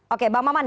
oke mbak maman